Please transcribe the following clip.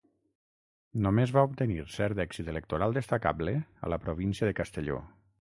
Només va obtenir cert èxit electoral destacable a la província de Castelló.